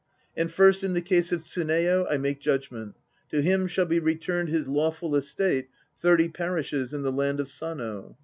And first in the case of Tsuneyo, I make judgment. To him shall be returned his lawful estate, thirty parishes in the land of Sano.